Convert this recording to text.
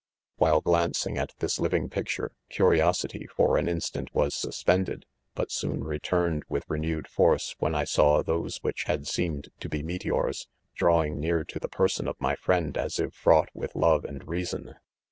EPILOGUE., 215 While glancing at this living picture, cari osity for an instant, was suspended, but soon returned with renewed force when I saw those which had. seemed, to be meteors, drawing near to the person of my friend as if fraught with love and reason.